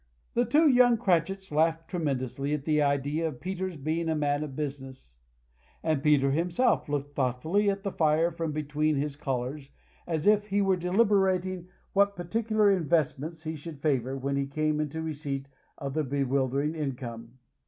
The two young Cratchits laughed tremendously at the idea of Peter's being a man of business; and Peter himself looked thoughtfully at the fire from between his collars, as if he were deliberating what particular investments he should favor when he came into receipt of the bewildering income.